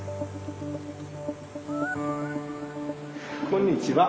こんにちは。